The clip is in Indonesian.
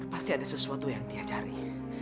pasti ada sesuatu yang dia cari